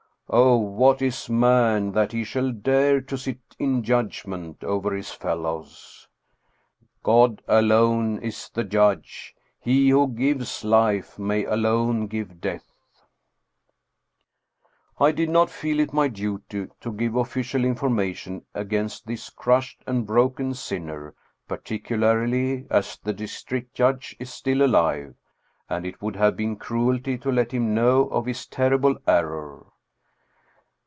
Oh, what is man that he shall dare to sit in judgment over his fellows! God alone is the Judge. He who gives life may alone give death! I did not feel it my duty to give official information against this crushed and broken sinner, particularly as the district judge is still alive, and it would have been cruelty to let him know of his terrible error.